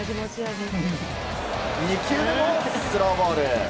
２球目もスローボール。